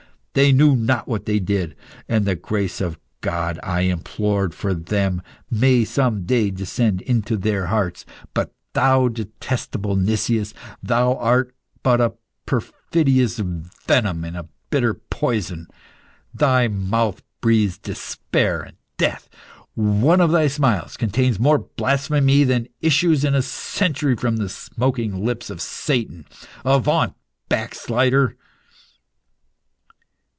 They knew not what they did, and the grace of God, which I implored for them, may some day descend into their hearts. But thou, detestable Nicias, thou art but a perfidious venom and a bitter poison. Thy mouth breathes despair and death. One of thy smiles contains more blasphemy than issues in a century from the smoking lips of Satan. Avaunt, backslider!"